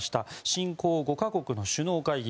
新興５か国の首脳会議。